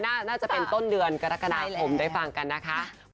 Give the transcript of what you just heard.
น่าจะเป็นต้นเดือนกรกฎาคมได้ฟังกันนะคะ